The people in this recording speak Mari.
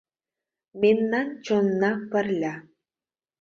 Мемнан чонна пырля.